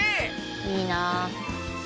「いいな」